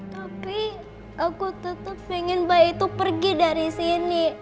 tapi aku tetap ingin bayi itu pergi dari sini